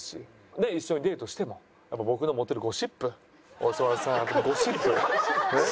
で一緒にデートしても僕の持ってるゴシップ大島さんのゴシップねっ。